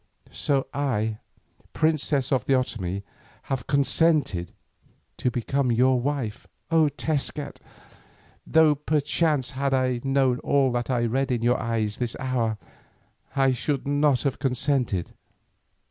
So I, princess of the Otomie, have consented to become your wife, O Tezcat, though perchance had I known all that I read in your eyes this hour, I should not have consented.